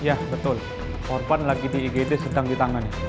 iya betul korban lagi di igd sedang ditangani